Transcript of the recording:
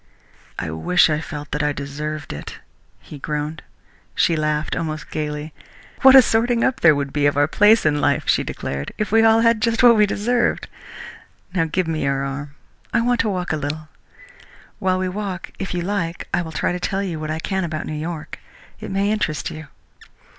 "I wish I felt that I deserved it," he groaned. She laughed almost gaily. "What a sorting up there would be of our places in life," she declared, "if we all had just what we deserved!... Now give me your arm. I want to walk a little. While we walk, if you like, I will try to tell you what I can about New York. It may interest you."